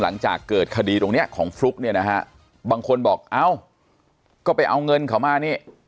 หลังจากเกิดคดีตรงเนี้ยของฟลุ๊กเนี่ยนะฮะบางคนบอกเอ้าก็ไปเอาเงินเขามานี่